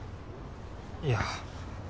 いや。